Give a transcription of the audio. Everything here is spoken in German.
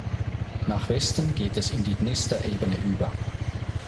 Nach Westen geht es in die Dnister-Ebene über.